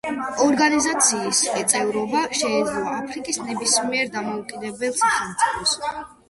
ორგანიზაციის წევრობა შეეძლო აფრიკის ნებისმიერ დამოუკიდებელ სახელმწიფოს.